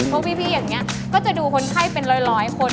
พวกพี่อย่างนี้ก็จะดูคนไข้เป็นร้อยคน